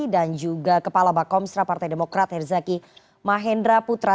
dan juga kepala bakomstra partai demokrat herzaki mahendra putra